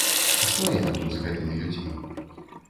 Што яму тут з гэтымі людзьмі?